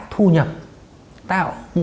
thu nhập tạo